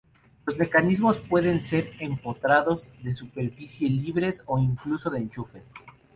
Los mecanismos pueden ser empotrados, de superficie, libres o, incluso, de enchufe.